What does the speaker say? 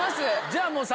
じゃあもう。